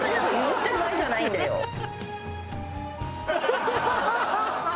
「ハハハハ！」